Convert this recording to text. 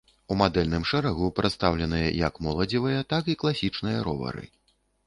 У мадэльным шэрагу прадстаўленыя як моладзевыя, так і класічныя ровары.